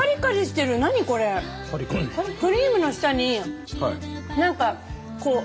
クリームの下に何かこう。